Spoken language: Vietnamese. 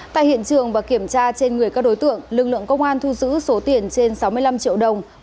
tại hiện trường và kiểm tra trên người các đối tượng lực lượng công an thu giữ số tiền trên sáu mươi năm triệu đồng